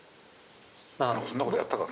そんなことやったかな？